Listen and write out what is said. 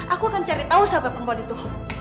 aku akan cari tahu siapa perempuan itu